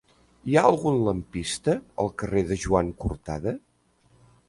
Hi ha algun lampista al carrer de Joan Cortada?